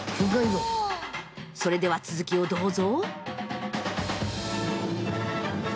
それでは続きをどうぞ。